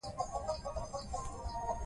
دښمن ته ډېره مرګ او ژوبله اوښتې ده.